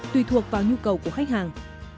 tùy thuộc vào nhu cầu của khách hàng